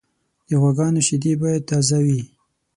د غواګانو شیدې باید تازه وي.